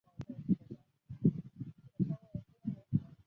朱见深命令交给御用监太监廖寿拉名下。